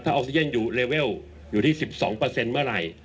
ออกซิเจนอยู่เลเวลอยู่ที่๑๒เมื่อไหร่